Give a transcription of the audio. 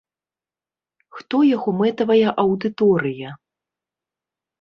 Хто яго мэтавая аўдыторыя?